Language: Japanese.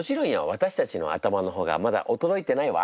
私たちの頭の方がまだ衰えてないわ。